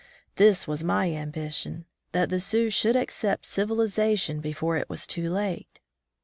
This was my ambition — that the Sioux should accept civilization before it was too late!